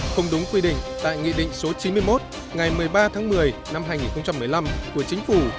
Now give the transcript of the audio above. không đúng quy định tại nghị định số chín mươi một ngày một mươi ba tháng một mươi năm hai nghìn một mươi năm của chính phủ